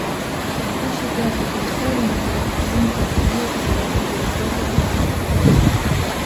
Bussipeatusest koolimajja on umbkaudse mõõtmise järgi ligi poolteist kilomeetrit.